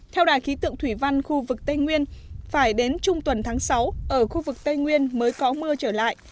theo đài khí tượng thủy văn khu vực tây nguyên phải đến trung tuần tháng sáu ở khu vực tây nguyên mới có mưa trở lại